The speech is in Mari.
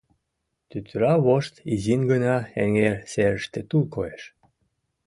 Тӱтыра вошт изин гына эҥер серыште тул коеш.